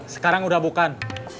sekarang udah bukan